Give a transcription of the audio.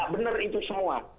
benar itu semua